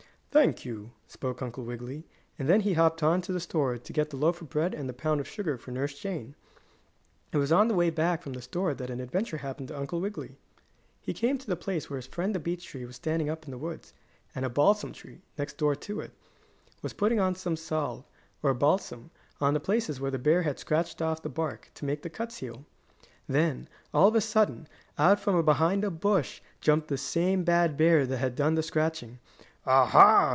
"Thank you," spoke Uncle Wiggily, and then he hopped on to the store to get the loaf of bread and the pound of sugar for Nurse Jane. It was on the way back from the store that an adventure happened to Uncle Wiggily. He came to the place where his friend the beech tree was standing up in the woods, and a balsam tree, next door to it, was putting some salve, or balsam, on the places where the bear had scratched off the bark, to make the cuts heal. Then, all of a sudden, out from behind a bush jumped the same bad bear that had done the scratching. "Ah, ha!"